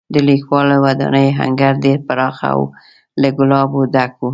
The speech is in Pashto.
د لیکوالو ودانۍ انګړ ډېر پراخه او له ګلابو ډک و.